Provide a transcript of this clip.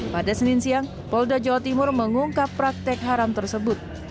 pada senin siang polda jawa timur mengungkap praktek haram tersebut